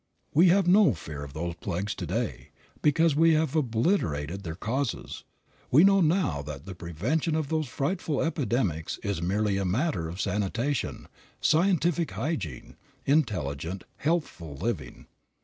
We have no fear of those plagues to day, because we have obliterated their causes. We know now that the prevention of those frightful epidemics is merely a matter of sanitation, scientific hygiene, intelligent, healthful living.